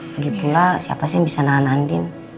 begitulah siapa sih yang bisa nahan andin